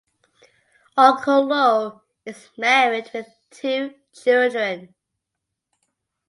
Okolo is married with two children.